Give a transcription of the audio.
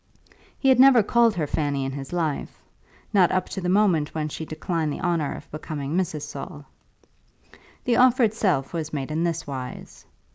He had never called her Fanny in his life, not up to the moment when she declined the honour of becoming Mrs. Saul. The offer itself was made in this wise.